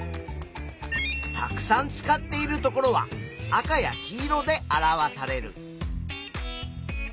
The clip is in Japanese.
たくさん使っているところは赤や黄色で表される。